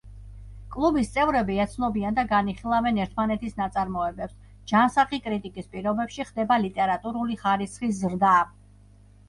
კლუბის წევრები ეცნობიან და განიხილავენ ერთმანეთის ნაწარმოებებს, ჯანსაღი კრიტიკის პირობებში ხდება ლიტერატურული ხარისხის ზრდა.